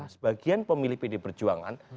sebagian pemilih pdi perjuangan